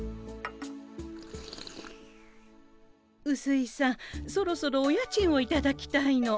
うすいさんそろそろお家賃をいただきたいの。